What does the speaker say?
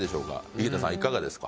井桁さんいかがですか？